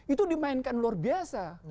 itu dimainkan luar biasa